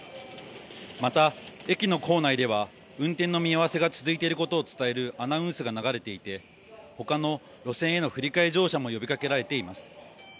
また駅の構内では運転の見合わせが続いていることを伝えるアナウンスが流れていて、ほかの路線への振り替え乗車も呼びかけられています。